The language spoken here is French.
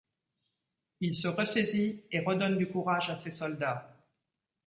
Il se ressaisit et redonne du courage à ses soldats.